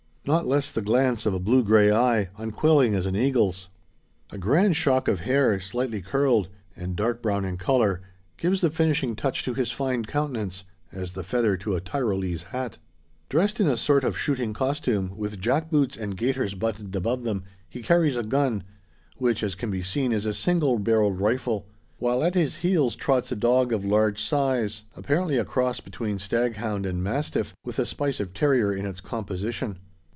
Not less the glance of a blue grey eye, unquailing as an eagle's. A grand shock of hair, slightly curled, and dark brown in colour, gives the finishing touch to his fine countenance, as the feather to a Tyrolese hat. Dressed in a sort of shooting costume, with jack boots, and gaiters buttoned above them, he carries a gun; which, as can be seen, is a single barrelled rifle; while at his heels trots a dog of large size, apparently a cross between stag hound and mastiff, with a spice of terrier in its composition.